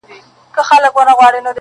• لکه ږغ په شنو درو کي د شپېلیو -